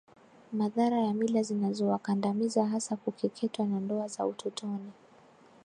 madhara ya mila zinazowakandamiza hasa kukeketwa na ndoa za utotoni